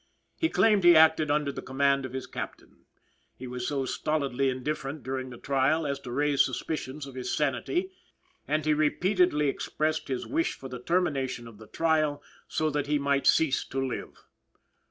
He claimed he acted under the command of his captain. He was so stolidly indifferent during the trial as to raise suspicion of his sanity, and he repeatedly expressed his wish for the termination of the trial so that he might cease to live.